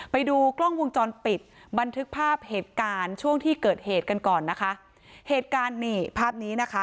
ไปดูกล้องวงจรปิดบันทึกภาพเหตุการณ์ช่วงที่เกิดเหตุกันก่อนนะคะเหตุการณ์นี่ภาพนี้นะคะ